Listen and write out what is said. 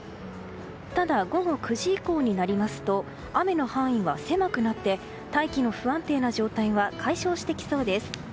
ただ、午後９時以降になりますと雨の範囲は狭くなって大気の不安定な状態は解消してきそうです。